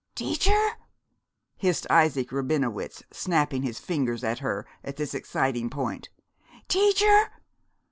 "Tea cher!" hissed Isaac Rabinowitz, snapping his fingers at her at this exciting point. "Teacher!